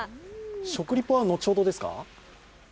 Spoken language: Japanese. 食リポは後ほどですか？